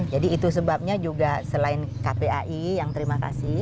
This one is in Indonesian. jadi itu sebabnya juga selain kpai yang terima kasih